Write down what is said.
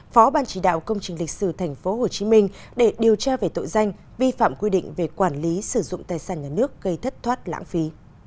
phó ban chỉ đạo công trình lịch sử tp hcm để điều tra về tội danh vi phạm quy định về quản lý sử dụng tài sản nhà nước gây thất thoát lãng phí